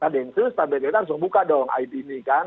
densus pt atk harus buka dong ini kan